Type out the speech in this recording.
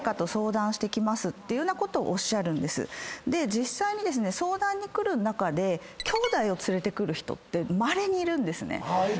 実際に相談に来る中できょうだいを連れてくる人ってまれにいるんです。